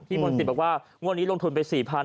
ที่มนตร์สิตเพราะว่างอันนี้ลงทนไป๔๐๐๐บาท